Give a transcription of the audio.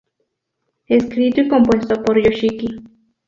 Escrito y compuesto por Yoshiki.